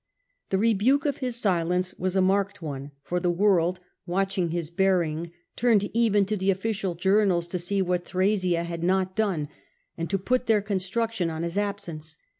The rebuke of his silence was a marked one, for the world, watching his bearing, turned even to the official journals to see what Thrasea had not done, and to put their construction on his absence.